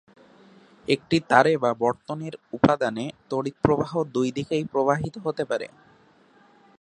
একটি তারে বা বর্তনীর উপাদানে তড়িৎপ্রবাহ দুই দিকেই প্রবাহিত হতে পারে।